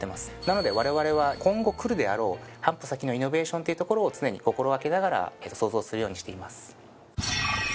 なのでわれわれは今後来るであろう半歩先のイノベーションというところを常に心掛けながら創造するようにしています。